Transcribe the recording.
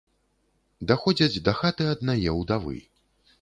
Даходзяць да хаты аднае ўдавы.